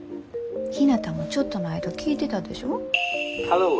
ひなたもちょっとの間聴いてたでしょ？